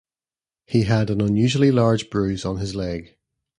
He had an unusually large bruise on his leg.